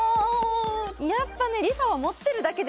やっぱね